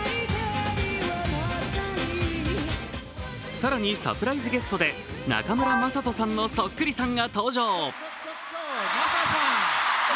更に、サプライズゲストで中村正人さんのそっくりさんが登場。